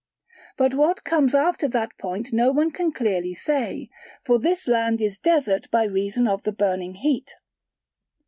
But what comes after that point no one can clearly say; for this land is desert by reason of the burning heat.